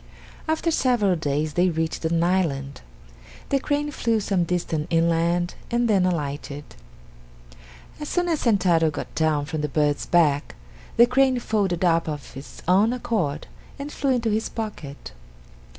After several days they reached an island. The crane flew some distance inland and then alighted. As soon as Sentaro got down from the bird's back, the crane folded up of its own accord and flew into his pocket.